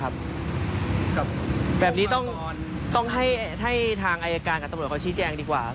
แบบนี้ต้องให้ทางอายการกับตำรวจเขาชี้แจงดีกว่า